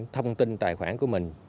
thông tin tài khoản của mình